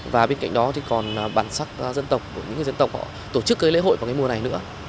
và bên cạnh đó thì còn bản sắc dân tộc của những dân tộc họ tổ chức cái lễ hội vào cái mùa này nữa